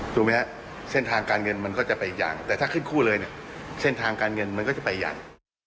ถูกไหมฮะเส้นทางการเงินมันก็จะไปอีกอย่างแต่ถ้าขึ้นคู่เลยเนี่ยเส้นทางการเงินมันก็จะไปใหญ่